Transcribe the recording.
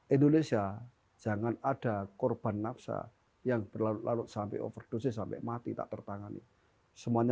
indonesia jangan ada korban nafsa yang berlarut larut sampai overdosis sampai mati tak tertangani semuanya